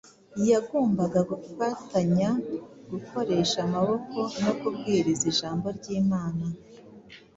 yagombaga gufatanya gukoresha amaboko no kubwiriza ijambo ry’Imana.